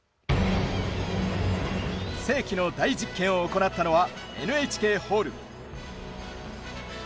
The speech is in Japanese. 世紀の大実験を行ったのはＮＨＫホール。